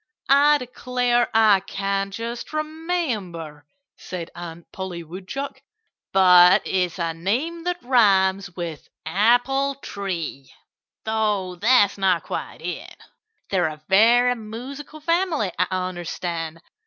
"I declare, I can't just remember," said Aunt Polly Woodchuck. "But it's a name that rhymes with apple tree though that's not quite it.... They're a very musical family, I understand.